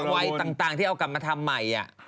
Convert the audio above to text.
วัยต่างที่เอากลับมาทำใหม่